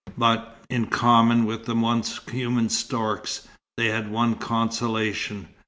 But, in common with the once human storks, they had one consolation.